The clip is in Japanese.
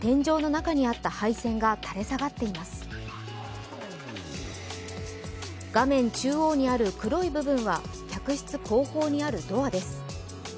中央にある黒い部分は客室後方にあるドアです。